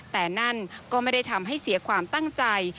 แต่นั่นก็ไม่ได้ทำให้เสียความตั้งใจ